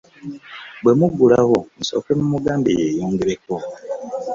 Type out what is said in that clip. Bwe muggulawo musooke mumugambe yeeyogereko.